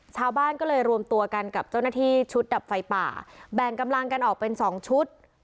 ชาวบ้านก็เลยรวมตัวกันกับเจ้าหน้าที่ชุดดับไฟป่าแบ่งกำลังกันออกเป็นสองชุด